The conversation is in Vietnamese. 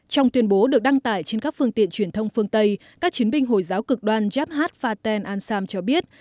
trong tuyên bố được đăng tải trên các phương tiện truyền thông phương tây các chiến binh hồi giáo cực đoan yabhad faten ansam cho biết